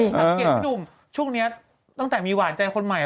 ไม่นับเกลียดนับดุมช่วงนี้ตั้งแต่มีหวานใจคนใหม่